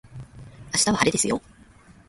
明日は晴れですよ